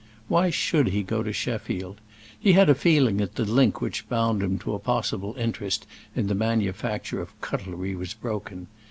Why should he go to Sheffield? He had a feeling that the link which bound him to a possible interest in the manufacture of cutlery was broken.